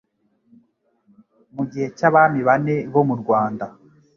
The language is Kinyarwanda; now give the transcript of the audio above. mu gihe cy'abami bane bo mu Rwanda :